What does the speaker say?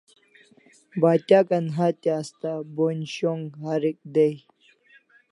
Batyakan hatya asta bonj shong harik day